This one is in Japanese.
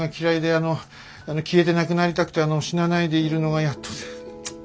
あの消えてなくなりたくてあの死なないでいるのがやっとで。